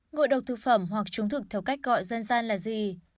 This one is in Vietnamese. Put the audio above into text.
ngộ độc thực phẩm hoặc chứng thực theo cách gọi dân gian là gì